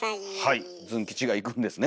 ズン吉が行くんですね？